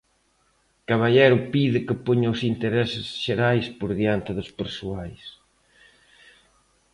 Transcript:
Caballero pide que poña os intereses xerais por diante dos persoais.